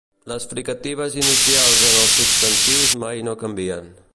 Les fricatives inicials en els substantius mai no canvien.